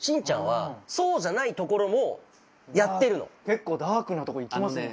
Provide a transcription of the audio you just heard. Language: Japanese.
結構ダークなとこいきますもんね。